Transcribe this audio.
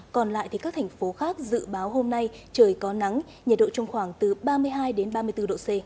còn lại thì các thành phố khác dự báo hôm nay trời có nắng nhiệt độ trong khoảng từ ba mươi hai ba mươi bốn độ c